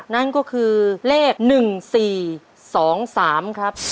นั่นก็คือเลข๑๔๒๓ครับ